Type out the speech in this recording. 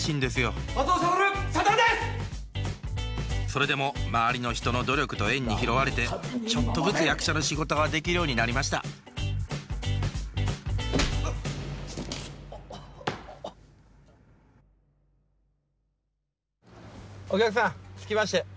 それでも周りの人の努力と縁に拾われてちょっとずつ役者の仕事ができるようになりましたお客さん着きましたよ。